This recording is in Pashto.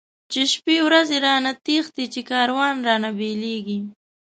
چی شپی ورځی رانه تښتی، چی کاروان رانه بيليږی